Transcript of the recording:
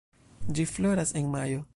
Ĝi floras en majo.